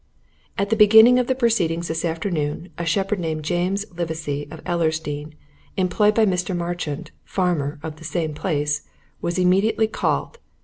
"'At the beginning of the proceedings this afternoon, a shepherd named James Livesey, of Ellersdeane, employed by Mr. Marchant, farmer, of the same place, was immediately called.